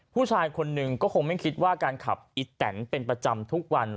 ผู้ชายคนหนึ่งก็คงไม่คิดว่าการขับอีแตนเป็นประจำทุกวัน